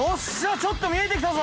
ちょっと見えてきたぞ！